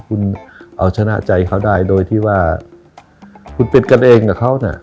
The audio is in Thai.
คุณเอาชนะใจเขาได้โดยที่ว่าคุณเป็นกันเองกับเขาน่ะ